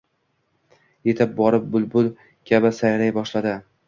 Yetib borib, bulbul kabi sayray boshladi.